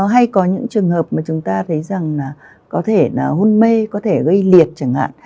hay có những trường hợp mà chúng ta thấy rằng là có thể là hôn mê có thể gây liệt chẳng hạn